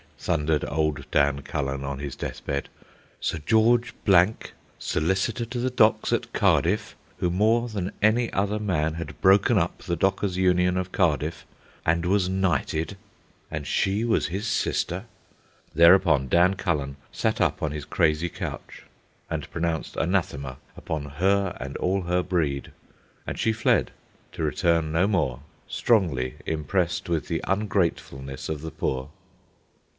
thundered old Dan Cullen on his death bed; Sir George Blank, solicitor to the docks at Cardiff, who, more than any other man, had broken up the Dockers' Union of Cardiff, and was knighted? And she was his sister? Thereupon Dan Cullen sat up on his crazy couch and pronounced anathema upon her and all her breed; and she fled, to return no more, strongly impressed with the ungratefulness of the poor.